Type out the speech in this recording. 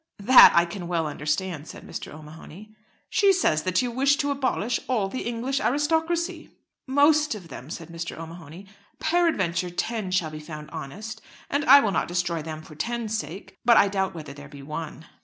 "That I can well understand," said Mr. O'Mahony. "She says that you wish to abolish all the English aristocracy." "Most of them," said Mr. O'Mahony. "Peradventure ten shall be found honest, and I will not destroy them for ten's sake; but I doubt whether there be one."